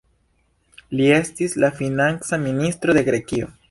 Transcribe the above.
Li estis la Financa Ministro de Grekio.